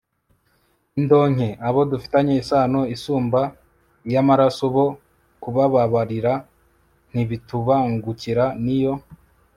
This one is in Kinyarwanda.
indonke. abo dufitanye isano isumba iy'amaraso, bo kubababarira ntibitubangukira. n'iyo